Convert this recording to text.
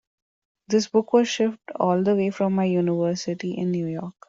This book was shipped all the way from my university in New York.